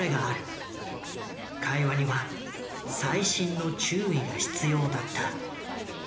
会話には細心の注意が必要だった。